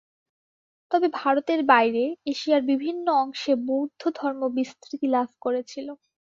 তবে ভারতের বাইরে, এশিয়ার বিভিন্ন অংশে বৌদ্ধধর্ম বিস্তৃতি লাভ করেছিল।